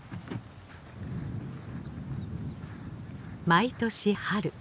毎年春。